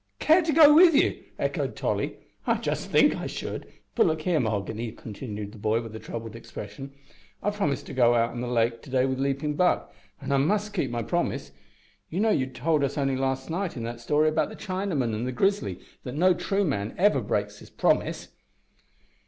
"Care to go with ye!" echoed Tolly, "I just think I should. But, look here, Mahoghany," continued the boy, with a troubled expression, "I've promised to go out on the lake to day wi' Leaping Buck, an' I must keep my promise. You know you told us only last night in that story about the Chinaman and the grizzly that no true man ever breaks his promise."